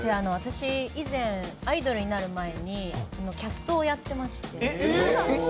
以前、アイドルになる前にキャストをやってまして。